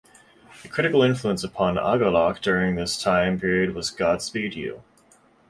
A critical influence upon Agalloch during this time period was Godspeed You!